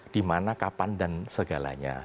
di mana kapan dan segalanya